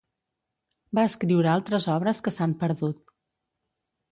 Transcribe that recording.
Va escriure altres obres que s'han perdut.